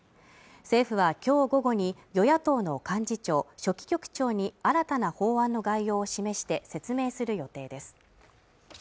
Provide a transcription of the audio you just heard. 政府はきょう午後に与野党の幹事長・書記局長に新たな法案の概要を示して説明する予定です